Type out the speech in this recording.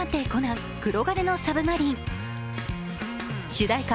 主題歌